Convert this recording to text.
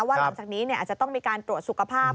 หลังจากนี้อาจจะต้องมีการตรวจสุขภาพ